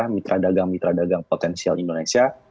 mitra dagang mitra dagang potensial indonesia